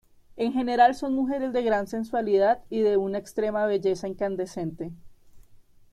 En general son mujeres de gran sensualidad y de una extrema belleza incandescente.